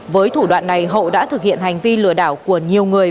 với thủ đoạn này hậu đã thực hiện hành vi lừa đảo của nhiều người